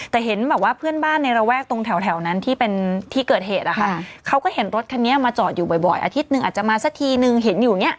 แต่เห็นแบบว่าเพื่อนบ้านในระแวกตรงแถวนั้นที่เป็นที่เกิดเหตุนะคะเขาก็เห็นรถคันนี้มาจอดอยู่บ่อยอาทิตย์หนึ่งอาจจะมาสักทีนึงเห็นอยู่อย่างเงี้